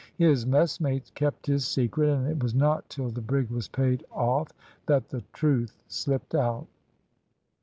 His messmates kept his secret, and it was not till the brig was paid off that the truth slipped out."